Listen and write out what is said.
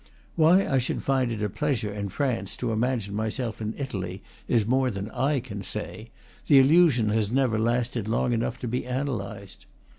Why I should find it a pleasure, in France, to imagine my self in Italy, is more than I can say; the illusion has never lasted long enough to be analyzed.